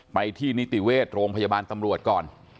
ไปที่นิติเวชโรงพยาบาลตำรวจก่อน